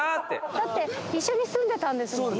だって一緒に住んでたんですもんね。